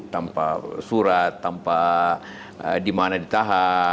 tanpa surat tanpa dimana ditahankan